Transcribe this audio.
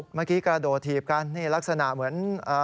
เมื่อกี้กระโดดถีบกันนี่ลักษณะเหมือน